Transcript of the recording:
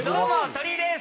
鳥居です。